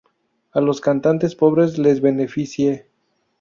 a los cantantes pobres les beneficie